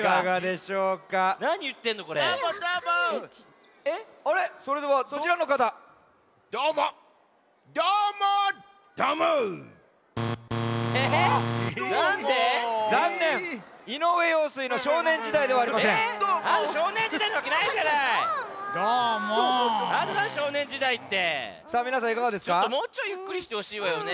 ちょっともうちょいゆっくりしてほしいわよね。